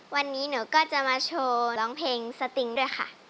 วันนี้หนูก็จะมาโชว์ร้องเพลงสติงด้วยค่ะ